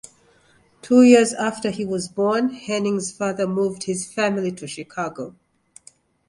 Two years after he was born, Hennings' father moved his family to Chicago.